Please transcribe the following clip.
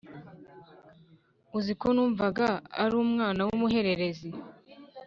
uziko numvaga ari umwana wumuhererezi